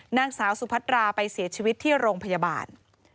นางสาวสุพัตราไปเสียชีวิตที่โรงพยาบาล